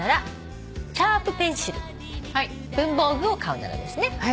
「文房具を買うなら」ですね。